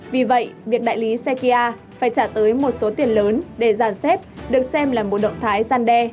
vì vậy việc đại lý sekia phải trả tới một số tiền lớn để giàn xếp được xem là một động thái gian đe